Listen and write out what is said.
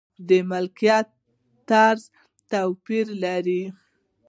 د ملکیت طرز توپیر لري.